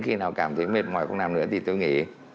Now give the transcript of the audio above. khi nào cảm thấy mệt mỏi không làm nữa thì tôi nghĩ